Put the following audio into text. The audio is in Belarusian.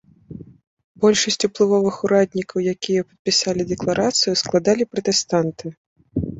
Большасць уплывовых ураднікаў, якія падпісалі дэкларацыю, складалі пратэстанты.